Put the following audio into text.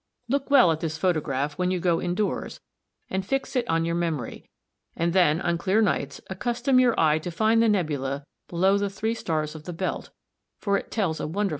Look well at this photograph when you go indoors and fix it on your memory, and then on clear nights accustom your eye to find the nebula below the three stars of the belt, for it tells a wonderful story.